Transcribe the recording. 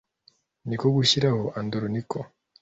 ni ko gushyiraho andoroniko